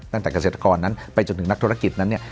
เกษตรกรนั้นไปจนถึงนักธุรกิจนั้นเนี่ย